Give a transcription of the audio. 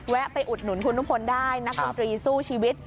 แวะไปอุดหนุนคุณทุกคนได้นักคุณตรีสู้ชีวิต